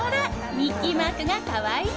ミッキーマークが可愛い。